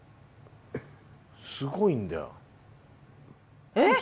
すごいんだよ。えっ！？